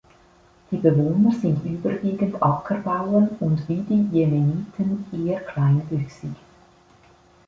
Die Bewohner sind überwiegend Ackerbauern und wie die Jemeniten eher kleinwüchsig.